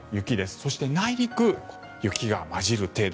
そして内陸、雪が交じる程度。